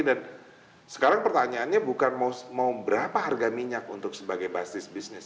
dan sekarang pertanyaannya bukan mau berapa harga minyak untuk sebagai basis bisnis